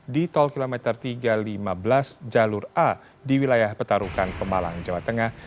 di tol kilometer tiga ratus lima belas jalur a di wilayah petarukan pemalang jawa tengah